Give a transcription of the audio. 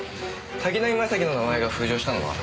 滝浪正輝の名前が浮上したのは？